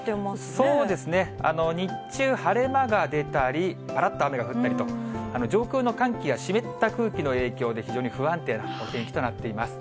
そうですね、日中、晴れ間が出たり、ぱらっと雨が降ったりと、上空の寒気や湿った空気の影響で、非常に不安定なお天気となっています。